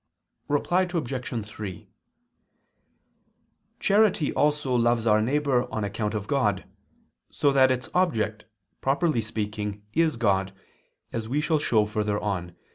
Reply Obj. 3: Charity also loves our neighbor on account of God, so that its object, properly speaking, is God, as we shall show further on (Q.